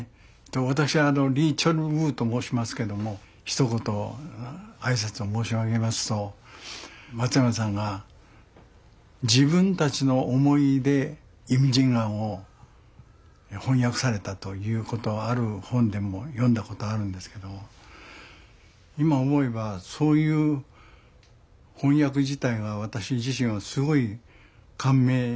私リ・チョルウと申しますけどもひと言挨拶を申し上げますと松山さんが自分たちの思いで「イムジン河」を翻訳されたということはある本でも読んだことあるんですけど今思えばそういう翻訳自体が私自身はすごい感銘したと思うんですよね。